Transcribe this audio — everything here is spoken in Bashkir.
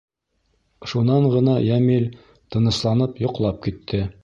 Шунан ғына Йәмил тынысланып йоҡлап китте.